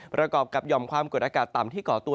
ประกอบกับหย่อมความกดอากาศต่ำที่ก่อตัว